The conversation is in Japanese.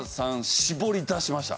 絞り出しました。